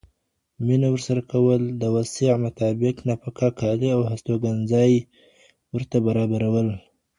مينه ورسره کول، د وسع مطابق نفقه، کالي او هستوګنځي ورته برابرول.